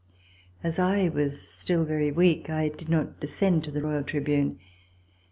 As I was still very weak, I did not descend to the Royal tribune.